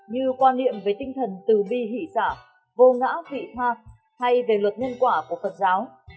như quan niệm về tinh thần từ bi hỷ xả vô ngã vị thoa hay về luật nhân quả của phật giáo